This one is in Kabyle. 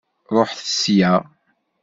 Ṛuḥet sya!